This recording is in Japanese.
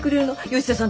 吉田さん